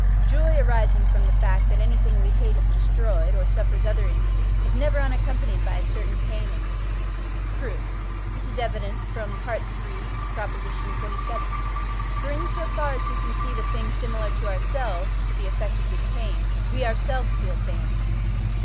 Joy arising from the fact, that anything we hate is destroyed, or suffers other injury, is never unaccompanied by a certain pain in us. Proof. This is evident from III. xxvii. For in so far as we conceive a thing similar to ourselves to be affected with pain, we ourselves feel pain.